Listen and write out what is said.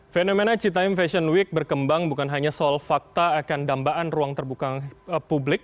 fenomena citaim fashion week berkembang bukan hanya soal fakta akan dambaan ruang terbuka publik